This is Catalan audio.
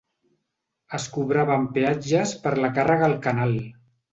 Es cobraven peatges per la càrrega al canal.